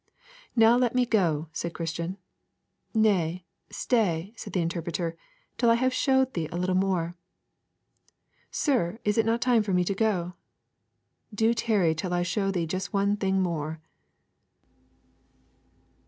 'Now let me go,' said Christian. 'Nay, stay,' said the Interpreter, 'till I have showed thee a little more.' 'Sir, is it not time for me to go?' 'Do tarry till I show thee just one thing more.'